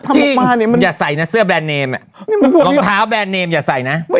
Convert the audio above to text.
จริงอย่าใส่นะเสื้อแรนดเนมรองเท้าแบรนดเนมอย่าใส่นะ